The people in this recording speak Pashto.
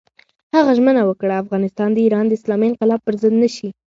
هغه ژمنه وکړه، افغانستان د ایران د اسلامي انقلاب پر ضد نه شي.